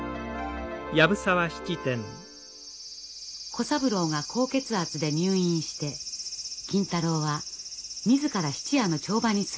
小三郎が高血圧で入院して金太郎は自ら質屋の帳場に座ることを申し出ました。